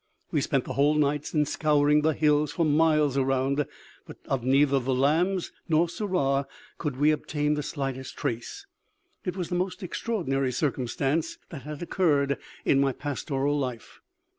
We spent the whole night in scouring the hills for miles around, but of neither the lambs nor Sirrah could we obtain the slightest trace. It was the most extraordinary circumstance that had occurred in my pastoral life.